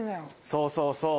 そうそうそう。